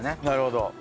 なるほど。